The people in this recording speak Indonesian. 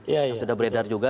yang sudah beredar juga